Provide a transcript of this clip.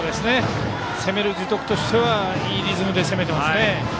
攻める樹徳としてはいいリズムで攻めていますね。